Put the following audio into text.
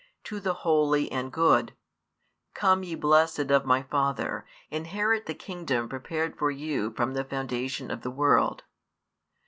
to the holy and good: Come ye blessed of My Father, inherit the kingdom prepared for you from the foundation of the world.